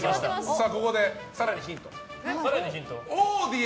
ここで更にヒント。